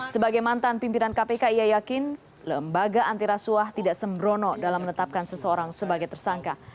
sebagai mantan pimpinan kpk ia yakin lembaga antirasuah tidak sembrono dalam menetapkan seseorang sebagai tersangka